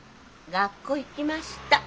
学校行きました。